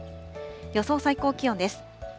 予想最高気温です。